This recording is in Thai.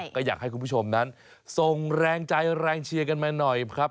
ก็อยากให้คุณผู้ชมนั้นส่งแรงใจแรงเชียร์กันมาหน่อยครับ